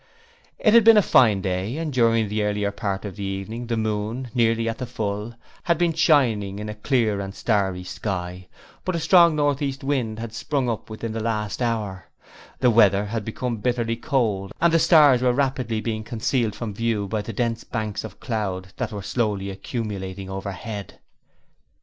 It had been a fine day, and during the earlier part of the evening the moon, nearly at the full, had been shining in a clear and starry sky; but a strong north east wind had sprung up within the last hour; the weather had become bitterly cold and the stars were rapidly being concealed from view by the dense banks of clouds that were slowly accumulating overhead.